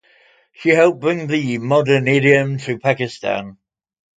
She helped bring the modern idiom to Pakistan.